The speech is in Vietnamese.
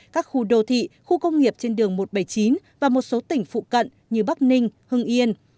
các khu đô thị khu công nghiệp trên đường một trăm bảy mươi chín và một số tỉnh phụ cận như bắc ninh hưng yên